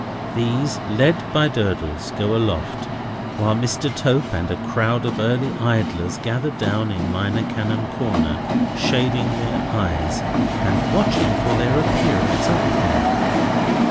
These, led by Durdles, go aloft; while Mr. Tope and a crowd of early idlers gather down in Minor Canon Corner, shading their eyes and watching for their appearance up there.